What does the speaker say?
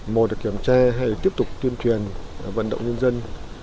một là kiểm tra hay là tiếp tục tuyên truyền vận động nhân dân